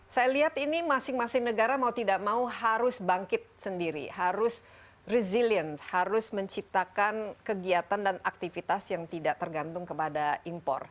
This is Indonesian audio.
saya lihat ini masing masing negara mau tidak mau harus bangkit sendiri harus resilience harus menciptakan kegiatan dan aktivitas yang tidak tergantung kepada impor